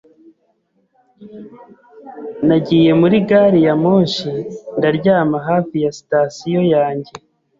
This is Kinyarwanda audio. Nagiye muri gari ya moshi, ndaryama hafi ya sitasiyo yanjye.